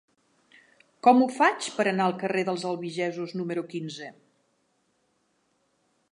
Com ho faig per anar al carrer dels Albigesos número quinze?